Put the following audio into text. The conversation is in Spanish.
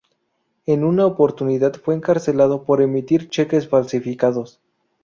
En una oportunidad fue encarcelado por emitir cheques falsificados.